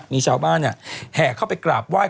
มีชาวบ้านแห่เข้าไปกราบไหว้